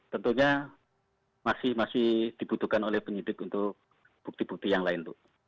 tentunya masih dibutuhkan oleh penyidik untuk bukti bukti yang lain bu